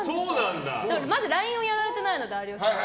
ＬＩＮＥをやられてないので有吉さんは。